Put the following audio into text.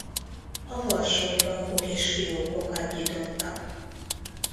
A varsói bankok is fiókokat nyitottak.